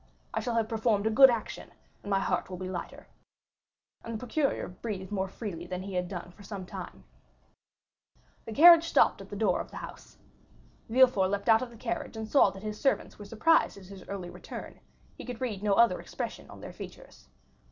I shall have performed a good action, and my heart will be lighter." And the procureur breathed more freely than he had done for some time. 50191m The carriage stopped at the door of the house. Villefort leaped out of the carriage, and saw that his servants were surprised at his early return; he could read no other expression on their features.